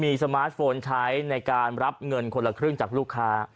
มีสมาร์ทโฟนใช้ในการรับเงินคนละครึ่งจากลูกค้า